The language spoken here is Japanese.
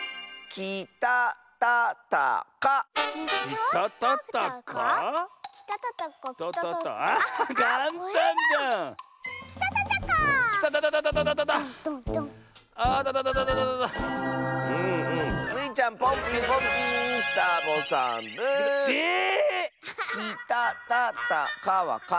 「き・た・た・た・か」は「か・た・た・た・き」。